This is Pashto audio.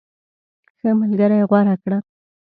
ښه ملګری غوره کړه.